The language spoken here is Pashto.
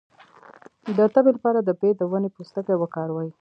د تبې لپاره د بید د ونې پوستکی وکاروئ